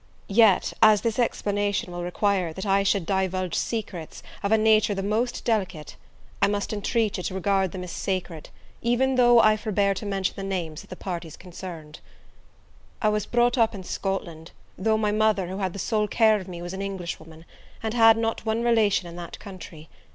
Yet, as this explanation will require that I should divulge secrets of a nature the most delicate, I must intreat you to regard them as sacred, even though I forbear to mention the names of the parties concerned. I was brought up in Scotland, though my mother, who had the sole care of me, was an English woman, and had not one relation in that country.